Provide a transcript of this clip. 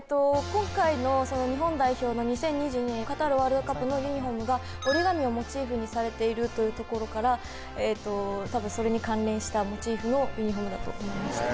今回の日本代表の２０２２年カタールワールドカップのユニフォームがＯＲＩＧＡＭＩをモチーフにされているというところからえっとたぶんそれに関連したモチーフのユニフォームだと思いました